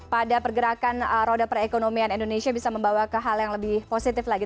pada pergerakan roda perekonomian indonesia bisa membawa ke hal yang lebih positif lagi